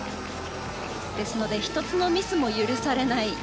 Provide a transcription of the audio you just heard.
ですので１つのミスも許されない。